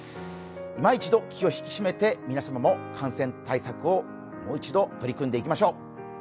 今一度気を引き締めて皆様も感染対策、もう一度、取り組んでいきましょう